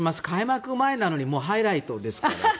開幕前なのにもうハイライトですからね。